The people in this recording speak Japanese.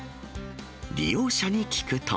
利用者に聞くと。